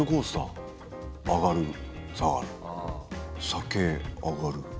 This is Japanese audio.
酒あがる下がる。